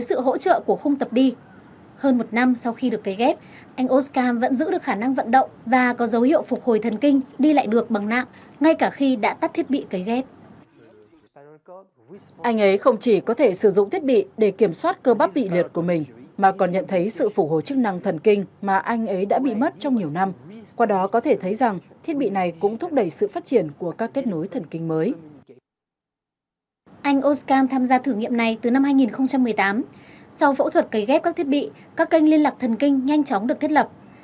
sau phẫu thuật cấy ghép các thiết bị các kênh liên lạc thần kinh nhanh chóng được kết lập